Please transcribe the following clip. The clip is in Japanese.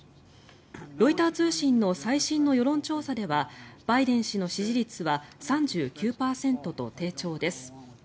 ロイター通信の最新の世論調査ではバイデン氏の支持率は３９％と低調です。